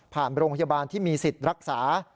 โรงพยาบาลที่มีสิทธิ์รักษา